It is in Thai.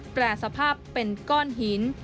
แปรสภาพเป็นก้อนหิน